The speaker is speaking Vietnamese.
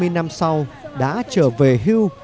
hai mươi năm sau đã trở về hưu